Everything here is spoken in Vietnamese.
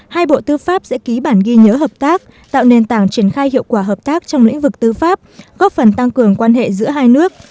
hai bộ tư pháp sẽ ký bản ghi nhớ hợp tác tạo nền tảng triển khai hiệu quả hợp tác trong lĩnh vực tư pháp góp phần tăng cường quan hệ giữa hai nước